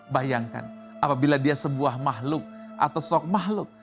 bayangkan apabila dia sebuah mahluk atau sok mahluk